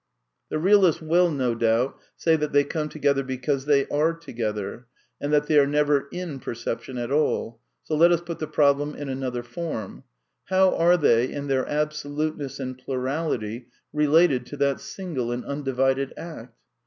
The realist will, no doubt, say that they come together because they are together, and that they are never " in " perception at all ; so let us put the problem in another form : How are they in their absoluteness and plurality related to that single and undivided act